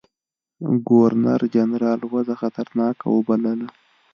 ګورنرجنرال وضع خطرناکه وبلله.